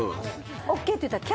「ＯＫ」って言ったら。